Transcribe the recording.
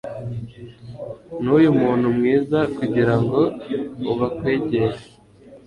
nuyu muntu mwiza kugirango ubakwegere